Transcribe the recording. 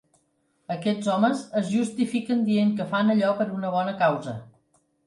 Aquests homes es justifiquen dient que fan allò per una bona causa.